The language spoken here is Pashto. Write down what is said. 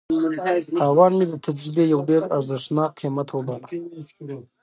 تاوان مې د تجربې یو ډېر ارزښتناک قیمت وباله.